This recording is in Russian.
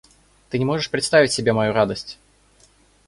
Ты не можешь представить себе мою радость!